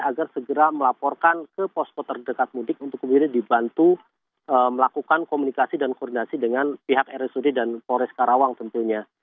agar segera melaporkan ke posko terdekat mudik untuk kemudian dibantu melakukan komunikasi dan koordinasi dengan pihak rsud dan polres karawang tentunya